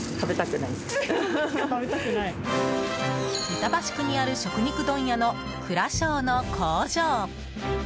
板橋区にある食肉問屋のクラショウの工場。